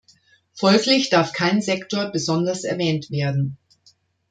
Folglich darf kein Sektor besonders erwähnt werden.